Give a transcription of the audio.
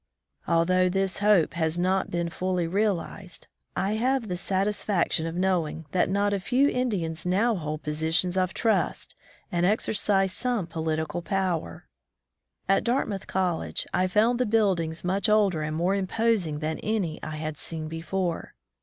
Although this hope has not been fully realized, I have 65 From ike Deep Woods to Cmlizatiah the satisfaction of knowing that not a few Indians now hold positions of trust and exer cise some political power. At Dartmouth College I found the build ings much older and more imposing than any I had seen before.